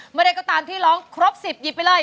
มาเลยก็ตามที่ร้องครบสิบหยิบไปเลย